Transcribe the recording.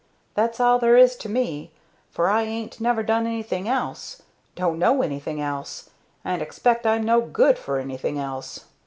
That's all there is to me, for I 'ain't never done anything else, don't know anything else, and expect I'm no good for anything else.